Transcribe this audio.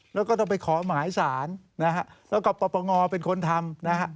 แล้วก็ต้องไปขอหมายสารแล้วก็ประปังงอเป็นคนทำ